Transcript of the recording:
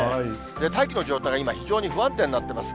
大気の状態が今、非常に不安定になっています。